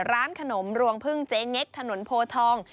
ร้านขนมรวงพึ่งเจ๊เง็กถนนโพทอง